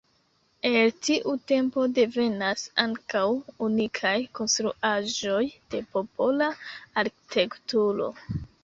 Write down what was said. El tiu tempo devenas ankaŭ unikaj konstruaĵoj de popola arkitekturo.